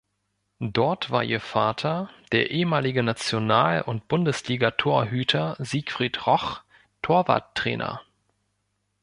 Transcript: Dort war ihr Vater, der ehemalige National- und Bundesliga-Torhüter Siegfried Roch, Torwarttrainer.